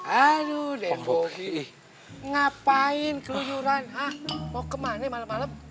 aduh debo ngapain kelunjuran hah mau ke mana malem malem